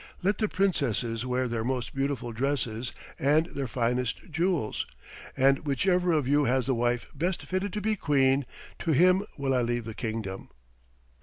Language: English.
Let the Princesses wear their most beautiful dresses and their finest jewels, and whichever of you has the wife best fitted to be Queen, to him will I leave the kingdom."